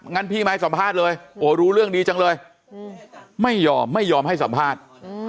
งั้นพี่มาให้สัมภาษณ์เลยโอ้รู้เรื่องดีจังเลยไม่ยอมไม่ยอมให้สัมภาษณ์